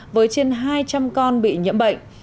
với trên hai trăm linh con bị nhiễm bệnh